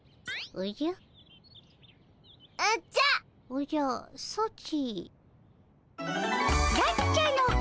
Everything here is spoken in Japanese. おじゃソチ。